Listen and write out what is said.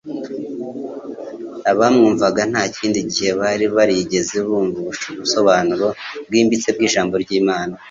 Abamwumvaga nta kindi gihe bari barigeze bumva ubusobanuro bwimbitse bw'Ijambo ry'Imana.